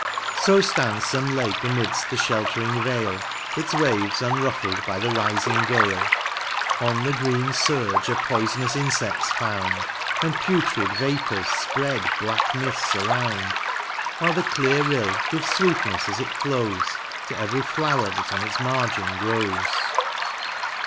E So 30 MOUNT PLEASANT. So ftands fome lake amidft the ilieltering vale, Its waves unruffled by the rifing gale ; On the green furge are poifonous infeds found, And putrid vapours fpread black mifts around ; Whilft the clear rill, gives fweetnefs as it flows, To every flower that on its margin grows.